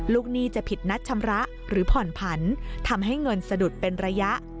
หนี้จะผิดนัดชำระหรือผ่อนผันทำให้เงินสะดุดเป็นระยะ